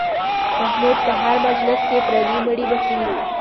محمود په هر مجلس کې پردي مړي بښي.